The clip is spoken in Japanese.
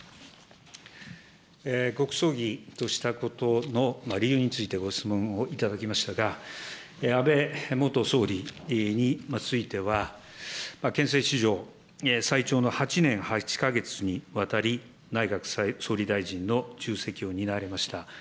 国葬儀としたことの理由についてご質問をいただきましたが、安倍元総理については、憲政史上最長の８年８か月にわたり、内閣総理大臣の重責を担われました。